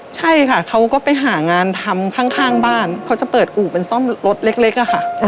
ใช่ค่ะเขาก็ไปหางานทำข้างบ้านเขาจะเปิดอู่เป็นซ่อมรถเล็กอะค่ะ